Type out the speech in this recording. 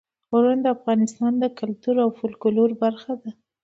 غرونه د افغانستان د کلتور او فولکلور برخه ده.